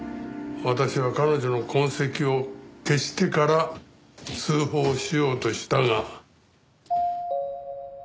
私は彼女の痕跡を消してから通報しようとしたが。